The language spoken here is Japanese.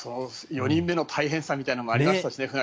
４人目の大変さみたいなのもありましたしね。